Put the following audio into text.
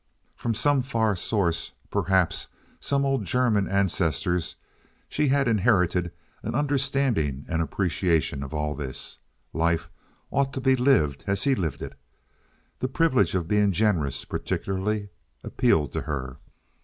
From some far source, perhaps some old German ancestors, she had inherited an understanding and appreciation of all this. Life ought to be lived as he lived it; the privilege of being generous particularly appealed to her.